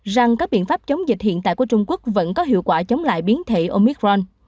rằng các biện pháp chống dịch hiện tại của trung quốc vẫn có hiệu quả chống lại biến thể omicron